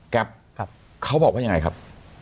เขาบอกว่ายังไงครับ